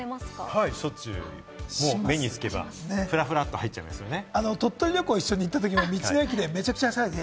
はい、しょっちゅう目につけば、ふらふらっと入っちゃいますよね。